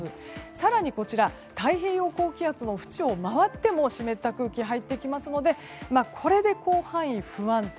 更に、太平洋高気圧の縁を回って湿った空気が入ってきますのでこれで広範囲が不安定。